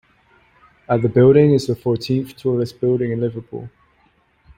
At the building is the fourteenth tallest building in Liverpool.